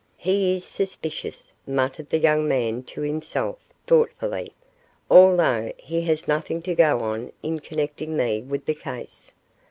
'He is suspicious,' muttered the young man to himself, thoughtfully, 'although he has nothing to go on in connecting me with the case.